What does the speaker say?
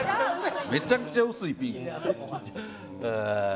めちゃくちゃ薄いピンク。